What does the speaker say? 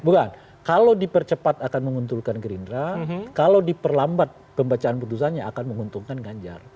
bukan kalau dipercepat akan menguntungkan gerindra kalau diperlambat pembacaan putusannya akan menguntungkan ganjar